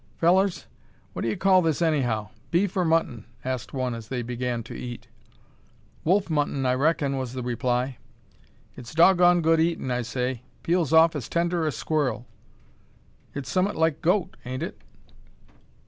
"Fellers! what d'ye call this anyhow? Beef or mutton?" asked one, as they began to eat. "Wolf mutton, I reckin," was the reply. "It's dog gone good eatin', I say; peels off as tender as squ'll." "It's some'ut like goat, ain't it?"